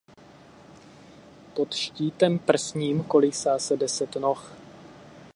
Pod štítem prsním kolísá se deset noh.